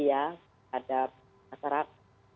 ya terhadap masyarakat